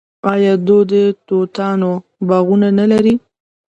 آیا دوی د توتانو باغونه نلري؟